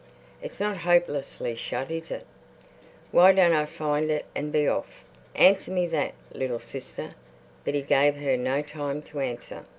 It's not hopelessly shut—is it? Why don't I find it and be off? Answer me that, little sister." But he gave her no time to answer.